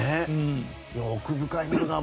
奥深いな。